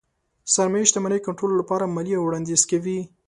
سرمايې شتمنۍ کنټرول لپاره ماليې وړانديز کوي.